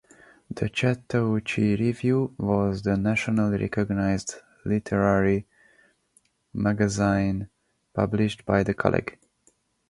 The "Chattahoochee Review" was the nationally recognized literary magazine published by the college.